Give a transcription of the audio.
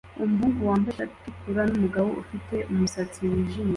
Umuhungu wambaye ishati itukura numugabo ufite umusatsi wijimye